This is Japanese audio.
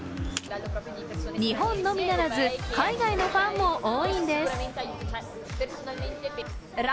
日本のみならず海外のファンも多いんです。